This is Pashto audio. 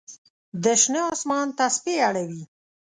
د شنه آسمان تسپې اړوي